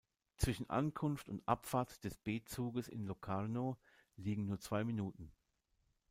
Zwischen Ankunft und Abfahrt des B-Zuges in Locarno liegen nur zwei Minuten.